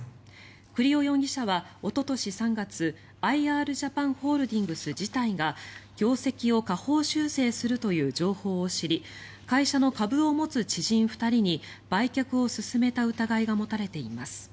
栗尾容疑者は、おととし３月アイ・アールジャパンホールディングス自体が業績を下方修正するという情報を知り会社の株を持つ知人２人に売却を勧めた疑いが持たれています。